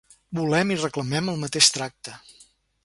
Volem i reclamem el mateix tracte.